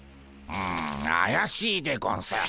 うんあやしいでゴンス。